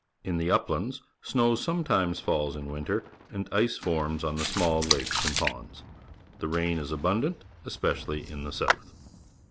In the uplands snow sometimes falls in winter, and ice forms on the small lakes and ponds. The rainfall is abundant, especially in the south.